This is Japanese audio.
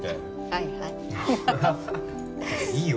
はいはい